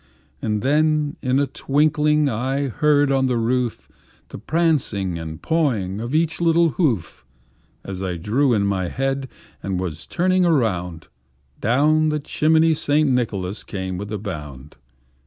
And then in a twinkling I heard on the roof, The prancing and pawing of each little hoof. As I drew in my head, and was turning around, Down the chimney St. Nicholas came with a bound.